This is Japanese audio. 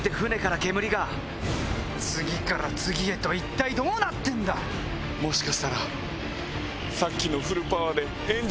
次から次へと一体どうなってんだ⁉もしかしたら。